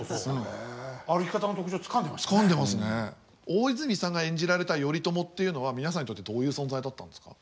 大泉さんが演じられた頼朝というのは皆さんにとってどういう存在だったんですか？